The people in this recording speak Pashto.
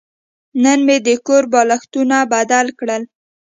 نن مې د کور بالښتونه بدله کړل.